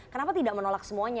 kenapa tidak menolak semuanya